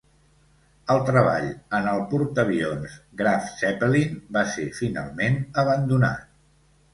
El treball en el portaavions "Graf Zeppelin" va ser finalment abandonat.